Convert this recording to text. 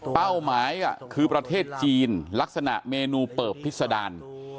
หมายคือประเทศจีนลักษณะเมนูเปิบพิษดาร